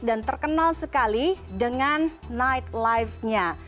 dan terkenal sekali dengan night life nya